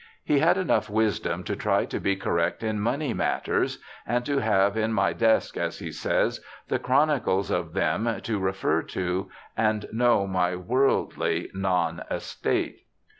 He had enough wisdom to try to be ' correct in money matters and to have in my desk ', as he says, 'the chronicles of them to refer to and to know my worldly non estate.'